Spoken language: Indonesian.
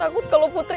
gua takut kalo putri